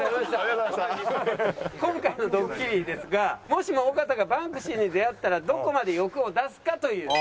今回のドッキリですがもしも尾形がバンクシーに出会ったらどこまで欲を出すか？という。